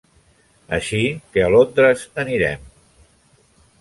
Així que a Londres anirem.